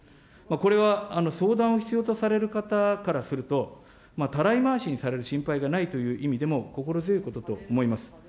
これは相談を必要とされる方からすると、たらい回しにされる心配がないという意味でも、心強いことと思います。